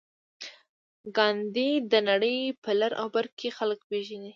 ګاندي د نړۍ په لر او بر کې خلک پېژني.